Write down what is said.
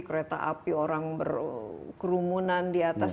kereta api orang berkerumunan di atas